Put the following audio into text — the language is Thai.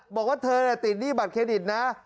บอกว่าเธอติดหนี้บัตรเครดิตนะ